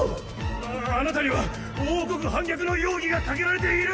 ああなたには王国反逆の容疑がかけられている。